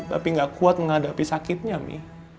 papih gak kuat menghadapi sakitnya mi